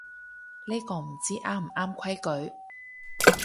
呢個唔知啱唔啱規矩